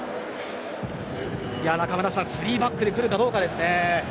中村さん３バックで来るかどうかですね。